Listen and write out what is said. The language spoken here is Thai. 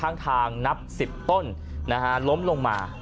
ทั้งทางนับสิบต้นแล้วล้อมลงมา